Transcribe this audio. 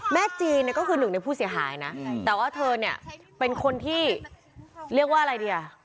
จีนเนี่ยก็คือหนึ่งในผู้เสียหายนะแต่ว่าเธอเนี่ยเป็นคนที่เรียกว่าอะไรดีอ่ะ